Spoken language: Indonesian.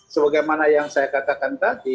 sebagai mana yang saya katakan tadi